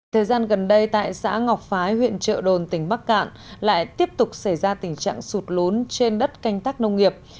thời gian gần đây tại xã ngọc phái huyện trợ đồn tỉnh bắc cạn lại tiếp tục xảy ra tình trạng sụt lún trên đất canh tác nông nghiệp